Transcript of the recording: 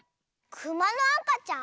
クマのあかちゃん？